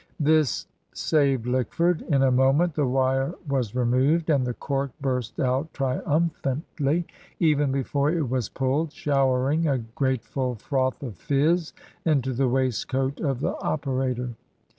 This saved Lickford. In a moment the wire was removed, and the cork burst out triumphantly, even before it was pulled, showering a grateful froth of fizz into the waistcoat of the operator.